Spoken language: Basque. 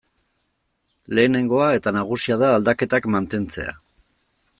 Lehenengoa eta nagusia da aldaketak mantentzea.